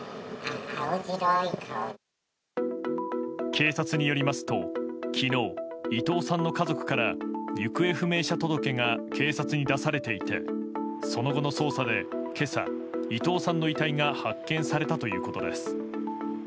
警察によりますと昨日、伊藤さんの家族から行方不明者届が警察に出されていてその後の捜査で今朝、伊藤さんの遺体が発見されたということです。